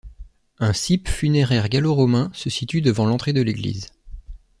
Un cippe funéraire gallo-romain se situe devant l'entrée de l'église.